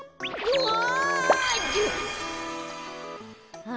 うわ！